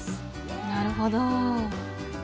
なるほど。